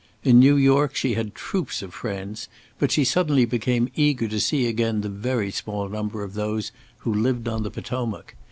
In New York she had troops of friends, but she suddenly became eager to see again the very small number of those who lived on the Potomac.